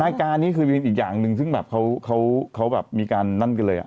นายการนี่คืออีกอย่างหนึ่งซึ่งแบบเขามีการนั้นก็เลย